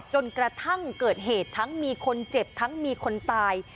จนกระทั่งเกิดเหตุทั้งมีคนเจ็บทั้งมีคนตาย